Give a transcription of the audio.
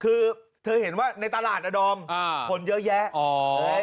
คือเธอเห็นว่าในตลาดอดอมอ่าคนเยอะแยะอ๋อเฮ้ย